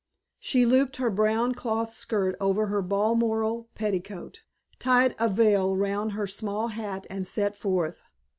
She looped her brown cloth skirt over her balmoral petticoat, tied a veil round her small hat and set forth.